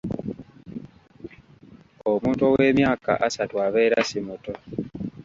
Omuntu ow'emyaka asatu abeera si muto.